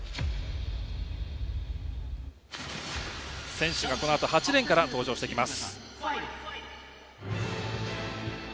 選手が、このあと８レーンから登場してきます。